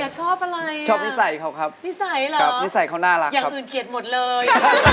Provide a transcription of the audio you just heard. ชอบอะไรอ่ะชอบนิสัยเขาครับนิสัยเขาน่ารักครับอย่างอื่นเกลียดหมดเลย